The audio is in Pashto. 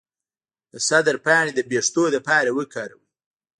د سدر پاڼې د ویښتو لپاره وکاروئ